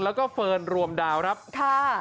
แล้วก็เฟิร์นรวมดาวร์ครับ